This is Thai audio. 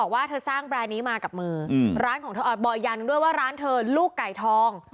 ว่าเธอสร้างแบรนด์นี้มากับมือร้านของเธอบอกอย่างหนึ่งด้วยว่าร้านเธอลูกไก่ทอง